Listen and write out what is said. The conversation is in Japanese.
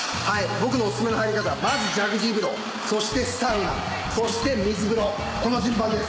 僕のお薦めの入り方はまずジャグジー風呂そしてサウナそして水風呂この順番です。